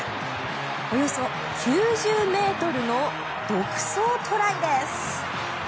およそ９０ｍの独走トライです。